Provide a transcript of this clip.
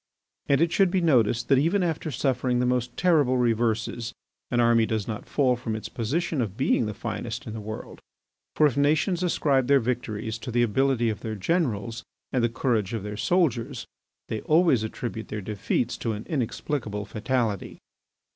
And it should be noticed that even after suffering the most terrible reverses an army does not fall from its position of being the finest in the world. For if nations ascribe their victories to the ability of their generals and the courage of their soldiers, they always attribute their defeats to an inexplicable fatality.